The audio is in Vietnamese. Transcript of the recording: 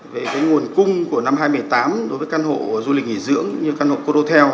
về cái nguồn cung của năm hai nghìn một mươi tám đối với căn hộ du lịch nghỉ dưỡng như căn hộ cô đô tel